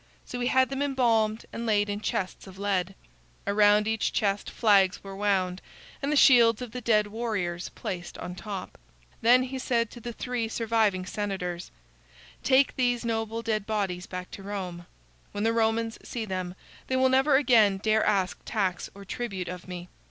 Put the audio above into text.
So he had them embalmed and laid in chests of lead. Around each chest flags were wound, and the shields of the dead warriors placed on top. Then he said to the three surviving senators: "Take these noble dead bodies back to Rome. When the Romans see them they will never again dare ask tax or tribute of me.